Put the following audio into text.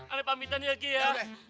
ya udah aneh pamitannya ki ya